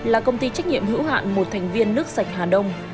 là công ty trách nhiệm hữu hạn một thành viên nước sạch hà đông